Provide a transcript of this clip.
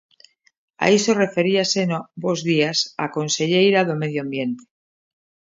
A iso referíase no 'Bos días' a conselleira de Medio Ambiente.